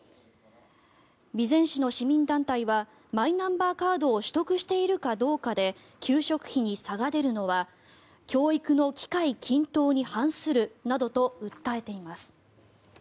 備前市の市民団体はマイナンバーカードを取得しているかどうかで給食費に差が出るのは教育の機会均等に反するなどと訴えています。